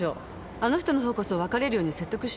あの人のほうこそ別れるように説得してよ。